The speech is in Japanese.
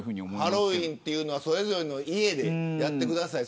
ハロウィーンはそれぞれの家でやってください。